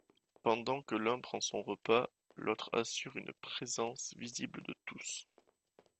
Pendant que l'un prend son repas, l'autre assure une présence visible de tous.